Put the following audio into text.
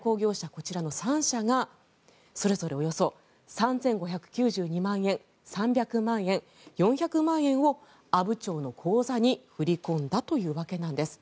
こちらの３社がそれぞれおよそ３５９２万円３００万円、４００万円を阿武町の口座に振り込んだというわけなんです。